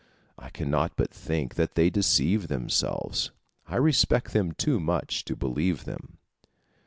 I cannot but think that they deceive themselves; I respect them too much to believe them.